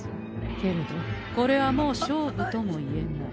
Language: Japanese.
けれどこれはもう勝負とも言えない。